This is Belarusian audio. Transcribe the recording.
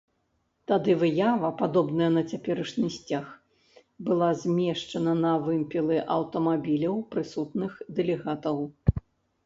Тады выява, падобная на цяперашні сцяг была змешчана на вымпелы аўтамабіляў прысутных дэлегатаў.